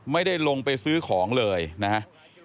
ไม่ได้ลงไปซื้อของเลยนะครับ